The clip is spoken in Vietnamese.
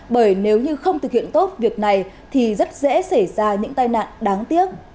bởi nếu như không thực hiện tốt việc này thì rất dễ xảy ra những tai nạn đáng tiếc